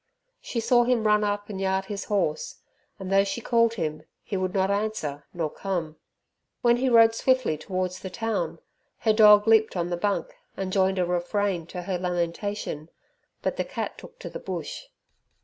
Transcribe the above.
She saw him run up and yard his horse, and though she called him, he would not answer nor come. When he rode swiftly towards the town, her dog leaped on the bunk, and joined a refrain to her lamentation, but the cat took to the bush.